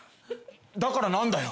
だからなんだよ。